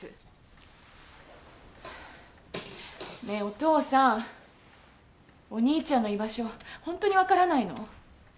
ねえお父さんお兄ちゃんの居場所ほんとにわからないの？